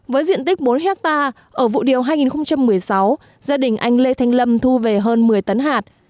với diện tích bốn hectare ở vụ điều hai nghìn một mươi sáu gia đình anh lê thanh lâm thu về hơn một mươi tấn hạt